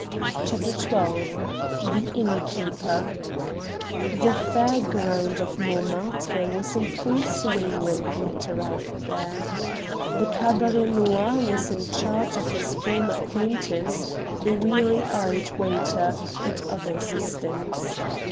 CHAPTER XII THE INNKEEPER The fair ground of Montmartre was in full swing when Brett arrived there. The Cabaret Noir was in charge of his former acquaintance, the weary eyed waiter, and other assistants.